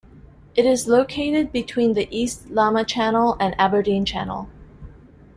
It is located between the East Lamma Channel and Aberdeen Channel.